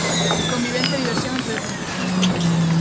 Convivencia e diversión entre deportistas.